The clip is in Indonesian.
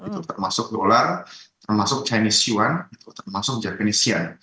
termasuk dolar termasuk chinese yuan termasuk jar venesian